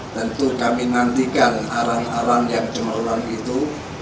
tentu kami nantikan arang arang yang cemerlang itu